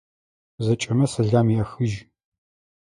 Зэкӏэмэ сэлам яхыжь.